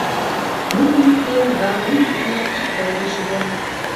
Муро йӱк ден гармонь йӱкна икгай лийже да.